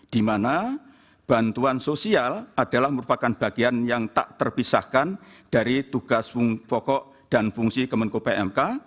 di mana bantuan sosial adalah merupakan bagian yang tak terpisahkan dari tugas pokok dan fungsi kemenko pmk